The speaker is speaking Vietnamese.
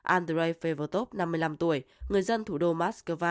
andrei fevotov năm mươi năm tuổi người dân thủ đô moscow nói với ip